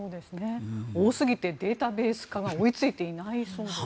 多すぎてデータベース化が追いついていないそうです。